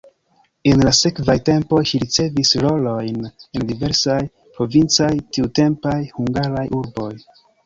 En la sekvaj tempoj ŝi ricevis rolojn en diversaj provincaj tiutempaj hungaraj urboj.